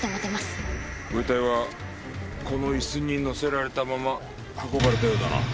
ご遺体はこの椅子にのせられたまま運ばれたようだな。